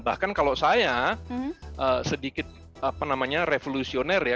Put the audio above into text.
bahkan kalau saya sedikit apa namanya revolusioner ya